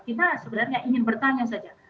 kita sebenarnya ingin bertanya saja